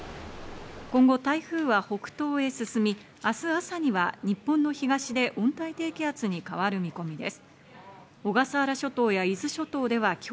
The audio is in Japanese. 今後、台風は北東へ進み、明日朝には日本の東で温帯低気圧に変わる見込みです。